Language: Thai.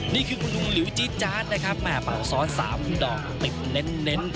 นี่คือคุณลุงหลิวจี๊จาร์ดนะครับแม่เป่าซ้อน๓ดอกติดเน้น